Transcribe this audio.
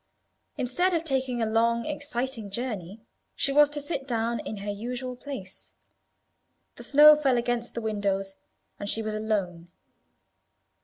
Instead of taking a long exciting journey, she was to sit down in her usual place. The snow fell against the windows, and she was alone.